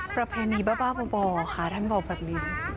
ประเพณีบ้าบ่อค่ะท่านบอกแบบนี้